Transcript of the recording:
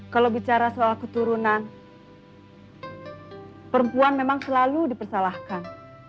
kalau bicara soal keturunan perempuan memang selalu dipersalahkan